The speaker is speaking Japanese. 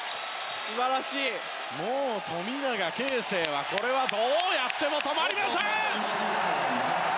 もう富永啓生は、これはどうやっても止まりません！